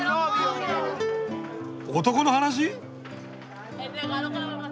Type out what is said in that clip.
男の話！？